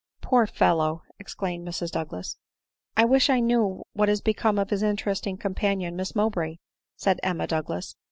" Poor fellow !" exclaimed Mrs Douglas. " I wish I knew what is become of his interesting com panion, Miss Mowbray," said Emma Douglas.